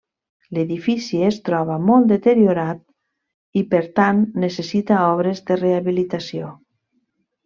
L'edifici es troba molt deteriorat i per tant necessita obres de rehabilitació.